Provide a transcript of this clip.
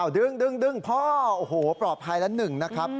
อ้าวดึงดึงดึงพ่อโอ้โหปลอบภัยละหนึ่งนะครับ